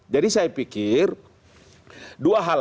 jadi saya pikir dua hal